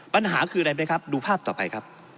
ปัญหาคืออะไรไหมครับดูภาพต่อไปครับ